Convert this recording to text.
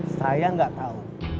saya nggak tahu